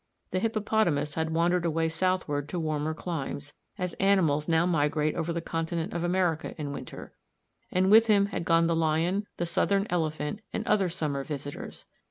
The hippopotamus had wandered away southward to warmer climes, as animals now migrate over the continent of America in winter, and with him had gone the lion, the southern elephant, and other summer visitors.